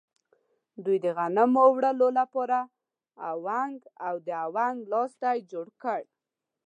دوی د غنمو وړلو لپاره اونګ او د اونګ لاستی جوړ کړل.